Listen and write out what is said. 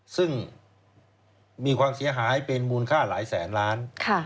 ซึ่งมีความเสียหายเป็นมูลค่าหลายแสนล้าน